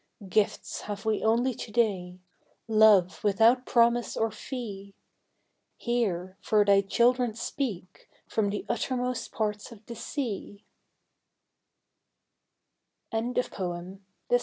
Gifts have we only to day Love without promise or fee Hear, for thy children speak, from the uttermost parts of the sea: The Song of the Cities.